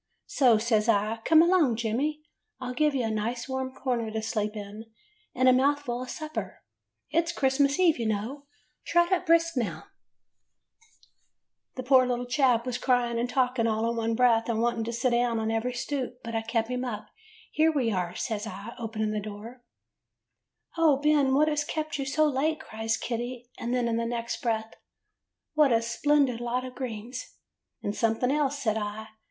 So says I, 'Come along. Jemmy. I 'll give you a nice warm corner to sleep in, and a mouthful of supper. It 's Christmas Eve, you know. Trot up brisk now.' [ 60 ]Why, Jemmy Arno, is it you ?'" HOW BEN FOUND SANTA CLAUS ''The poor little chap was crying and talking all in one breath, and wanting to sit down on every stoop, but I kept him up. 'Here we are,* says I, opening the door. " 'O Ben, what has kept you so late?* cries Kitty; and then in the next breath, 'What a splendid lot of greens.' " 'And something else,* says I.